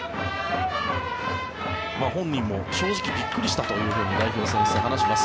本人も正直びっくりしたと代表選出を話します。